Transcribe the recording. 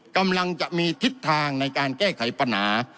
กำลังจะมีทิศทางในการแก้ไขปัญหา